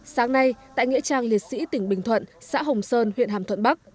sáng nay tại nghĩa trang liệt sĩ tỉnh bình thuận xã hồng sơn huyện hàm thuận bắc